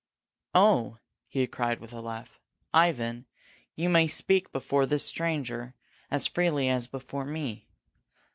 "Oh!" he cried, with a laugh. "Ivan, you may speak before this stranger as freely as before me.